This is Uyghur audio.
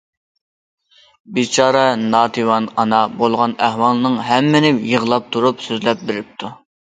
بىچارە ناتىۋان ئانا بولغان ئەھۋالنىڭ ھەممىنى يىغلاپ تۇرۇپ سۆزلەپ بېرىپتۇ.